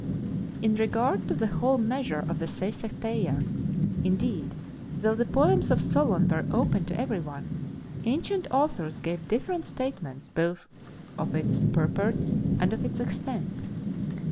In regard to the whole measure of the Seisachtheia, indeed, though the poems of Solon were open to every one, ancient authors gave different statements both of its purport and of its extent.